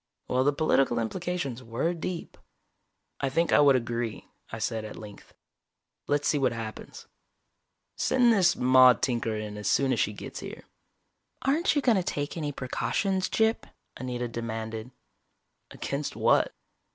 Well, the political implications were deep. "I think I would agree," I said at length. "Let's see what happens. Send this Maude Tinker in as soon as she gets here." "Aren't you going to take any precautions, Gyp?" Anita demanded. "Against what?"